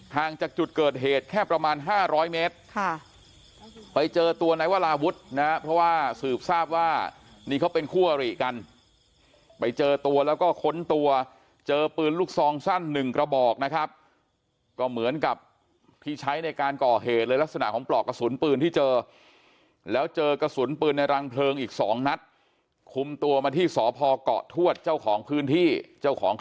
จากจุดเกิดเหตุแค่ประมาณ๕๐๐เมตรค่ะไปเจอตัวนายวราวุฒินะเพราะว่าสืบทราบว่านี่เขาเป็นคู่อริกันไปเจอตัวแล้วก็ค้นตัวเจอปืนลูกซองสั้นหนึ่งกระบอกนะครับก็เหมือนกับที่ใช้ในการก่อเหตุเลยลักษณะของปลอกกระสุนปืนที่เจอแล้วเจอกระสุนปืนในรังเพลิงอีก๒นัดคุมตัวมาที่สพเกาะทวดเจ้าของพื้นที่เจ้าของค